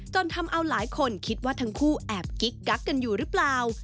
ทำเอาหลายคนคิดว่าทั้งคู่แอบกิ๊กกักกันอยู่หรือเปล่า